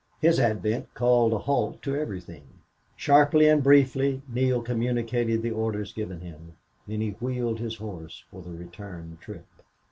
His advent called a halt to everything. Sharply and briefly Neale communicated the orders given him. Then he wheeled his horse for the return trip.